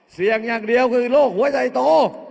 เสี่ยงอย่างเดียวคือโรคหัวใจโต